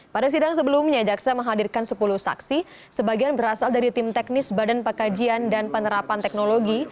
pada sidang sebelumnya jaksa menghadirkan sepuluh saksi sebagian berasal dari tim teknis badan pekajian dan penerapan teknologi